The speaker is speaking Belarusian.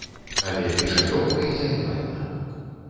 Але піша лёгка і займальна.